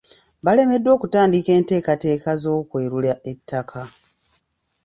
Balemeredwa okutandika enteekateeka z'okwerula ettaka.